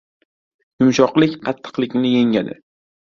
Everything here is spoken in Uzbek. • Yumshoqlik qattiqlikni yengadi.